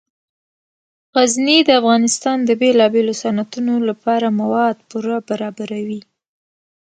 غزني د افغانستان د بیلابیلو صنعتونو لپاره مواد پوره برابروي.